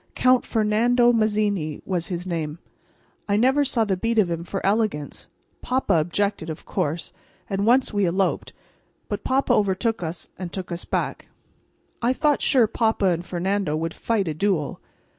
Count Fernando Mazzini was his name. I never saw the beat of him for elegance. Papa objected, of course, and once we eloped, but papa overtook us, and took us back. I thought sure papa and Fernando would fight a duel.